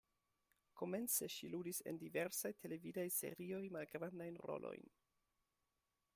Komence ŝi ludis en diversaj televidaj serioj, malgrandajn rolojn.